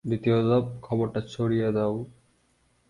দ্বিতীয় ধাপ, খবরটা ছড়িয়ে দাও।